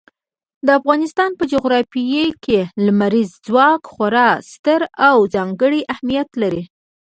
د افغانستان په جغرافیه کې لمریز ځواک خورا ستر او ځانګړی اهمیت لري.